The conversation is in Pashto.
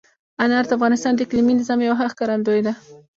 انار د افغانستان د اقلیمي نظام یوه ښه ښکارندوی ده.